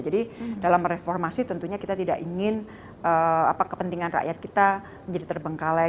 jadi dalam reformasi tentunya kita tidak ingin kepentingan rakyat kita menjadi terbengkalai